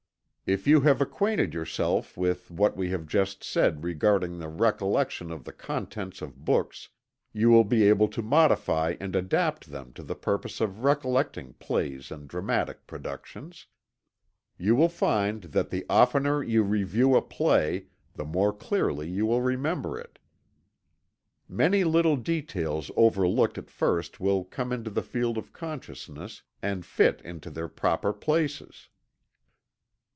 If you have acquainted yourself with what we have just said regarding the recollection of the contents of books, you will be able to modify and adapt them to the purpose of recollecting plays and dramatic productions. You will find that the oftener you review a play, the more clearly will you remember it. Many little details overlooked at first will come into the field of consciousness and fit into their proper places.